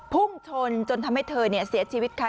พุ่งชนจนทำให้เธอเสียชีวิตค่ะ